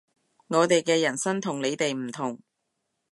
我哋嘅人生同你哋唔同